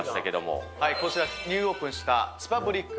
こちらニューオープンしたスパブリック